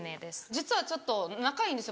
実はちょっと仲いいんです